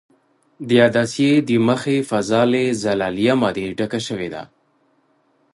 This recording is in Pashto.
د عدسیې د مخې فضا له زلالیه مادې ډکه شوې ده.